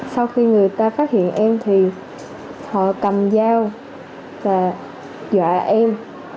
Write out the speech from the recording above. sau khi người ta phát hiện em thì họ cầm dao và dọa em